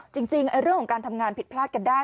จริงเรื่องของการทำงานผิดพลาดกันได้